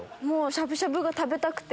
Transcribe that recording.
しゃぶしゃぶが食べたくて。